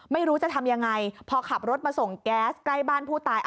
ไม่รู้จะทำยังไงพอขับรถมาส่งแก๊สใกล้บ้านผู้ตาย